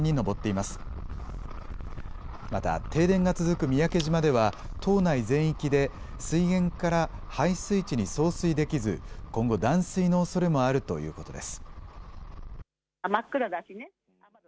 また停電が続く三宅島では島内全域で水源から配水池に送水できず今後、断水のおそれもあるということです。